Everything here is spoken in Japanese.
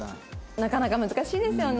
なかなか難しいですよね。